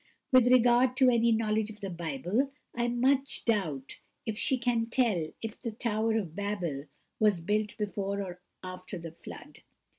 With regard to any knowledge of the Bible, I much doubt if she can tell if the tower of Babel was built before or after the Flood.